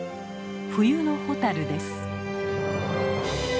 冬のホタルです。